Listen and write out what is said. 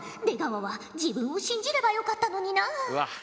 出川は自分を信じればよかったのにな。